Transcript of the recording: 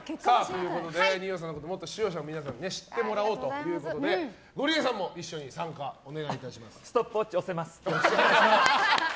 二葉さんのことを視聴者の皆さんに知ってもらうということでゴリエさんも一緒にストップウォッチ押せます。